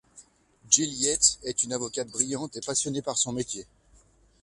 Jill Yates est une avocate brillante et passionnée par son métier.